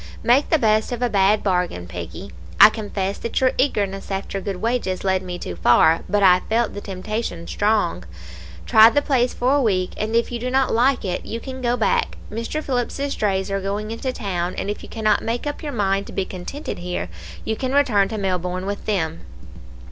Make the best of a bad bargain, Peggy; I confess that your eagerness after good wages led me too far, but I felt the temptation strong. Try the place for a week, and if you do not like it, you can go back. Mr. Phillips's drays are going into town, and if you cannot make up your mind to be contented here, you can return to Melbourne with them.'